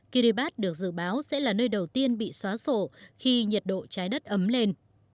kiribat được dự báo sẽ là nơi đầu tiên bị xóa sổ khi nhiệt độ trái đất ấm lên